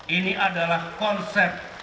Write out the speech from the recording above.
ini adalah konsep